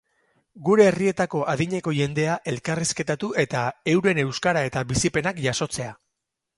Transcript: Gure herrietako adineko jendea elkarrizketatu eta euren euskara eta bizipenak jasotzea.